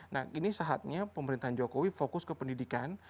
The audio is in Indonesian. nah ini saatnya pemerintahan jokowi fokus ke pendidikan